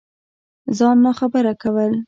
ځان ناخبره كول